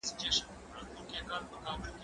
که وخت وي، لاس پرېولم!؟